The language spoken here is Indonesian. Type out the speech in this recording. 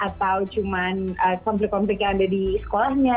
atau cuma konflik konflik yang ada di sekolahnya